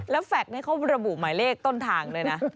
แล้วแฟลต์นี้เขาระบุหมายเลขต้นทางด้วยนะ